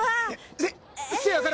せせやから。